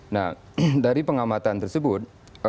nah dari pengamatan tersebut